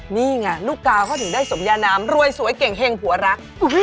นี่ไงลูกกาวเขาถึงได้สมยานามรวยสวยเก่งเฮงผัวรัก